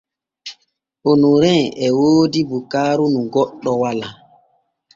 Onorin e woodi bukaaru nu goɗɗo walaa.